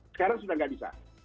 sekarang sudah tidak bisa